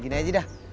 gini aja dah